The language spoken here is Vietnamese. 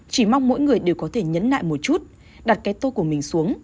chỉ mong mỗi người đều có thể nhấn lại một chút đặt cái tô của mình xuống